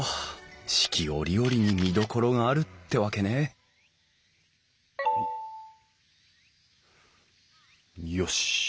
四季折々に見どころがあるってわけねよし。